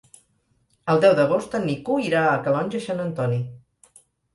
El deu d'agost en Nico irà a Calonge i Sant Antoni.